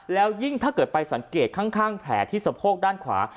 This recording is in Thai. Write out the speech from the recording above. แล้วยิ่งถ้าเกิดไปสังเกตข้างแผลที่สะโพกด้านขวา